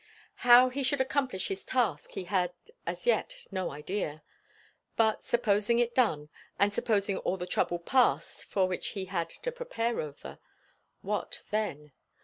How he should accomplish his task he had as yet no idea. But supposing it done; and supposing all the trouble past for which he had to prepare Rotha; what then?